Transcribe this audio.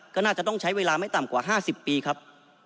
ก็น่าจะต้องใช้เวลาไม่ต่ำกว่า๕๐ปีครับ